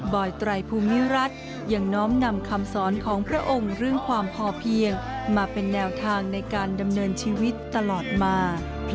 อยไตรภูมิรัติยังน้อมนำคำสอนของพระองค์เรื่องความพอเพียงมาเป็นแนวทางในการดำเนินชีวิตตลอดมา